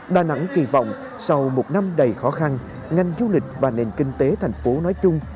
đà nẵng kỳ vọng sau một năm đầy khó khăn ngành du lịch và nền kinh tế thành phố nói chung